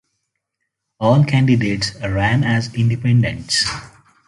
All candidates ran as independents.